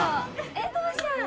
えっどうしよう？